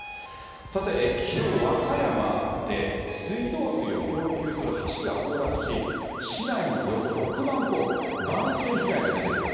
さて、きのう和歌山で、水道水を供給する橋が崩落し、市内のおよそ６万戸、断水被害が出ています。